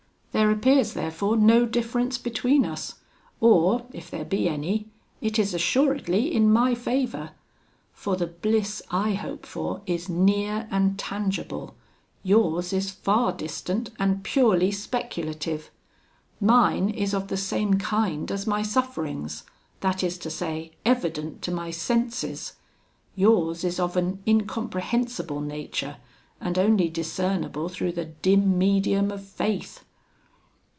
There appears therefore no difference between us, or, if there be any, it is assuredly in my favour; for the bliss I hope for is near and tangible, yours is far distant, and purely speculative. Mine is of the same kind as my sufferings, that is to say, evident to my senses; yours is of an incomprehensible nature, and only discernible through the dim medium of faith.'